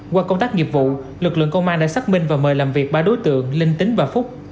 qua công tác nghiệp vụ lực lượng công an đã xác minh và mời làm việc ba đối tượng linh tính và phúc